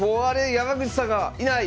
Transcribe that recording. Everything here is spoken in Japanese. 山口さんがいない！